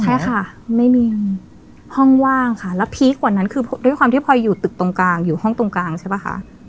ใช่ค่ะไม่มีห้องว่างค่ะแล้วพีคกว่านั้นคือด้วยความที่พลอยอยู่ตึกตรงกลางอยู่ห้องตรงกลางใช่ป่ะคะ